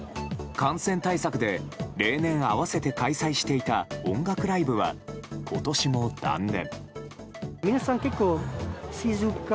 感染対策で例年、併せて開催していた音楽ライブは今年も断念。